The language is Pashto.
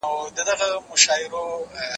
د ځان قدر وکړئ.